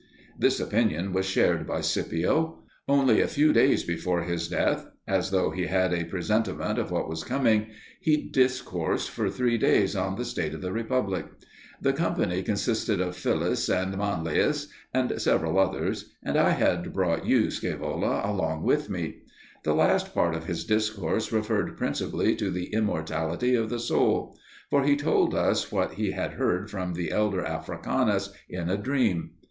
This opinion was shared by Scipio. Only a few days before his death as though he had a presentiment of what was coming he discoursed for three days on the state of the republic. The company consisted of Philus and Manlius and several others, and I had brought you, Scaevola, along with me. The last part of his discourse referred principally to the immortality of the soul; for he told us what he had heard from the elder Africanus in a dream.